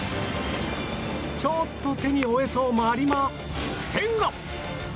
ちょっと手に負えそうもありま千賀！